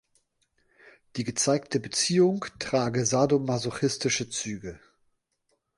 Die gezeigte Beziehung trage sadomasochistische Züge.